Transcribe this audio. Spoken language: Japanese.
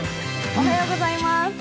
おはようございます。